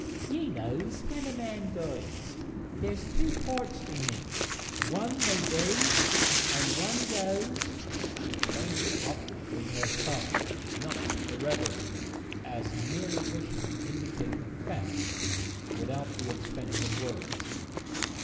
'Ye knows when a man dies, there's two parts to him; one they buries, and one goes ' she pointed upward with her thumb, not irreverently, but as merely wishing to indicate a fact without the expense of words.